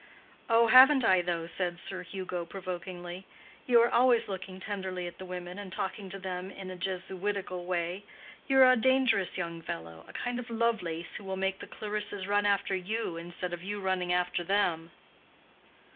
"Oh, haven't I, though?" said Sir Hugo, provokingly. "You are always looking tenderly at the women, and talking to them in a Jesuitical way. You are a dangerous young fellow—a kind of Lovelace who will make the Clarissas run after you instead of you running after them."